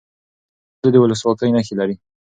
دا دود د ولسواکۍ نښې لري.